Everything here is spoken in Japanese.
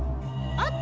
あっ！